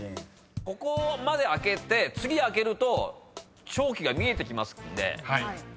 ここまで開けて次開けると勝機が見えてきますんで。